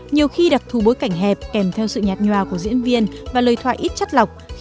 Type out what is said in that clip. nhiều khi đặc thù bối cảnh hẹp kèm theo sự nhạt nhòa của diễn viên và lời thoại ít chất lọc